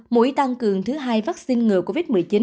mũi tăng cường thứ hai vaccine ngừa covid một mươi chín